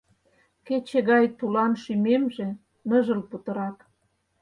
Кече гай тулан шӱмемже Ныжыл путырак.